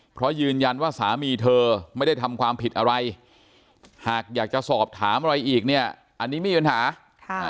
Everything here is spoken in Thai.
เพราะยืนยันว่าสามีเธอไม่ได้ทำความผิดอะไรหากอยากจะสอบถามอะไรอีกเนี่ยอันนี้ไม่มีปัญหาค่ะ